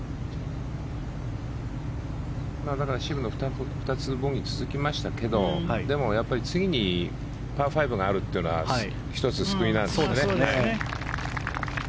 だから、渋野は２つボギーが続きましたけどでも次にパー５があるというのは１つ救いなんです。